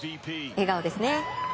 笑顔ですね。